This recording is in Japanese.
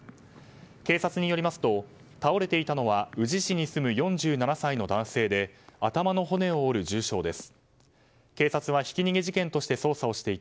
警察によりますと倒れていたのは宇治市に住む４７歳の男性で頭の骨を折る重傷です。